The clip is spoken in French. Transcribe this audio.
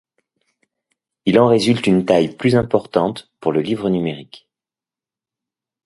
Il en résulte une taille plus importante pour le livre numérique.